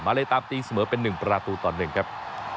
มาเลยตามตีเสมอเป็น๑ประตูตอนหนึ่งครับ